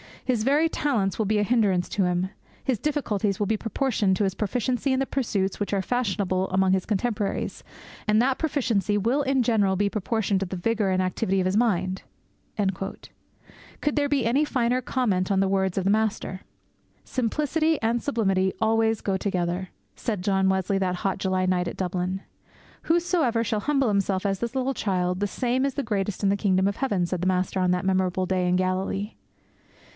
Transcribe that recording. His very talents will be a hindrance to him. His difficulties will be proportioned to his proficiency in the pursuits which are fashionable among his contemporaries; and that proficiency will in general be proportioned to the vigour and activity of his mind.' Could there be any finer comment on the words of the Master? 'Simplicity and sublimity always go together!' said John Wesley that hot July night at Dublin. 'Whosoever shall humble himself as this little child, the same is the greatest in the kingdom of heaven!' said the Master on that memorable day in Galilee.